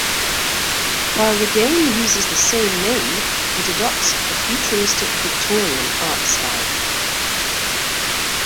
While the game uses the same name, it adopts a futuristic, Victorian art style.